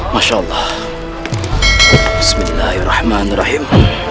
masya allah bismillahirrahmanirrahim